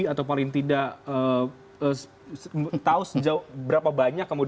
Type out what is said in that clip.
atau paling tidak tahu sejauh berapa banyak kemudian